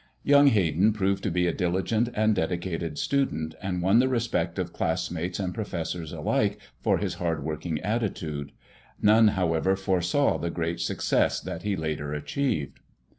Young Hayden proved to be a diligent and dedicated student, and won the respect of classmates and professors alike for his hard working attitude. None, however, foresaw the great success that he later achieved.